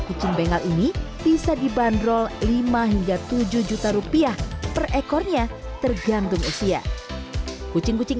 kucing bengal ini bisa dibanderol lima hingga tujuh juta rupiah per ekornya tergantung usia kucing kucing